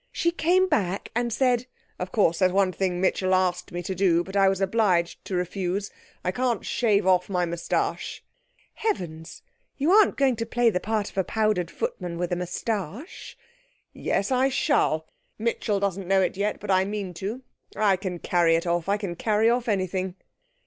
She came back and said ' 'Of course there's one thing Mitchell asked me to do, but I was obliged to refuse. I can't shave off my moustache.' 'Heavens! You aren't going to play the part of a powdered footman with a moustache?' 'Yes, I shall; Mitchell doesn't know it yet, but I mean to. I can carry it off. I can carry off anything.'